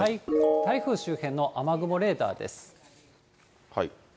台風周辺の雨雲レーダーです。